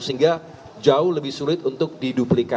sehingga jauh lebih sulit untuk diduplikasi